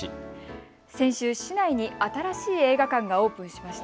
先週、市内に新しい映画館がオープンしました。